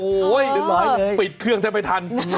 โอ้ยปิดเครื่องฉันไปทัน